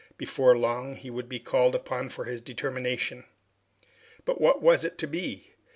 Before long, he would be called upon for his determination. But what was it to be?